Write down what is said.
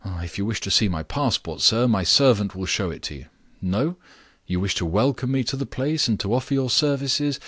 If you wish to see my passport, sir, my servant will show it to you. No? You wish to welcome me to the place, and to offer your services?